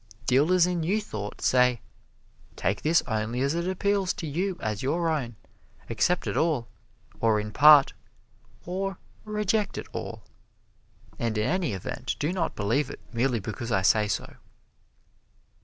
Dealers in New Thought say, "Take this only as it appeals to you as your own accept it all, or in part, or reject it all and in any event, do not believe it merely because I say so."